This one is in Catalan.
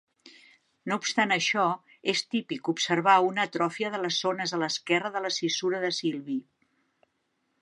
No obstant això, és típic observar una atrofia de les zones a l'esquerra de la cissura de Silvi.